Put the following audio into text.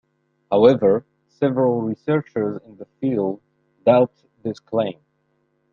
However, several researchers in the field doubt this claim.